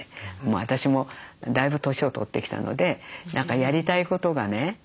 私もだいぶ年を取ってきたので何かやりたいことがね